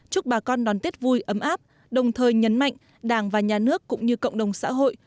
chúc bà con đón tết vui ấm áp đồng thời nhấn mạnh đảng và nhà nước cũng như cộng đồng xã hội